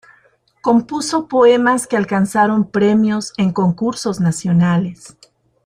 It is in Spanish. Compuso poemas que alcanzaron premios en concursos nacionales.